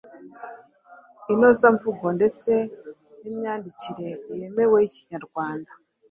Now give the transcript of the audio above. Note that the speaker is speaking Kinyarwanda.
inozamvugo ndetse n’imyandikire yemewe y’Ikinyarwanda.